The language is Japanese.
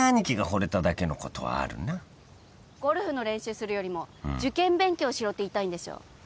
ゴルフの練習するよりも受験勉強しろって言いたいんでしょ。